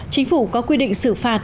chính phủ có quy định xử phạt